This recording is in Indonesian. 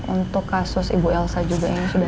untuk kasus ibu elsa juga yang sudah